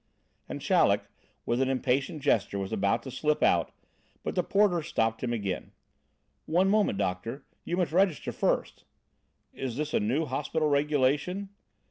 And Chaleck, with an impatient gesture, was about to slip out, but the porter stopped him again. "One moment, doctor; you must register first." "Is this a new hospital regulation?"